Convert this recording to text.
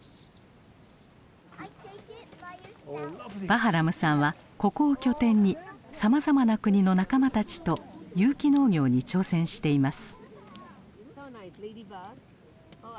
バハラムさんはここを拠点にさまざまな国の仲間たちと有機農業に挑戦しています。